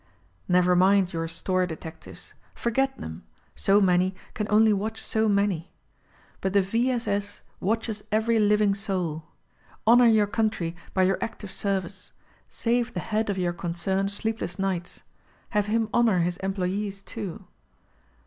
Never mind your store detectives ; forget them ; so many can only watch SPY PROOF AMERICA SO many; but the V. S. S. watches every living soul. Honor your country by your active service. Save the head of your concern sleepless nights. Have him honor his employees, too.